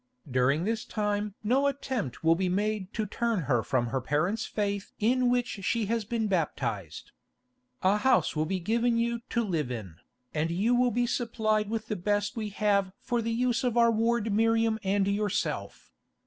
During this time no attempt will be made to turn her from her parents' faith in which she has been baptised. A house will be given you to live in, and you will be supplied with the best we have for the use of our ward Miriam and yourself.